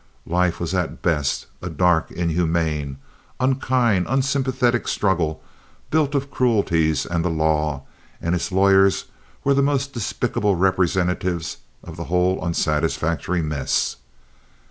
Life was at best a dark, inhuman, unkind, unsympathetic struggle built of cruelties and the law, and its lawyers were the most despicable representatives of the whole unsatisfactory mess.